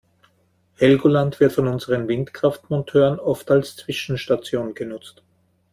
Helgoland wird von unseren Windkraftmonteuren oft als Zwischenstation genutzt.